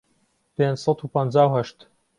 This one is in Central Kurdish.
پێنج سەد و پەنجا و هەشت